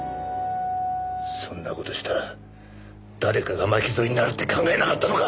そんな事したら誰かが巻き添えになるって考えなかったのか！